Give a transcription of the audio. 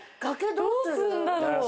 どうすんだろう？